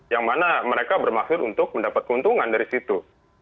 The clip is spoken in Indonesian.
yang mana mereka bermaksud untuk mendapat keuntungan dari situ